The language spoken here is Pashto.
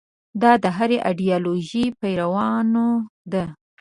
دا د هرې ایدیالوژۍ پیروانو ده.